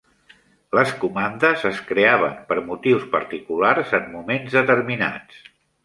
Les comandes es creaven per motius particulars en moments determinats.